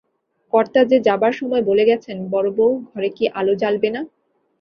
কর্তা যে যাবার সময় বলে গেছেন, বড়োবউ ঘরে কি আলো জ্বালবে না?